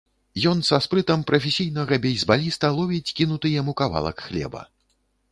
Ён са спрытам прафесійнага бейсбаліста ловіць кінуты яму кавалак хлеба.